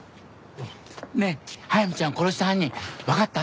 ねえ速水ちゃんを殺した犯人わかった？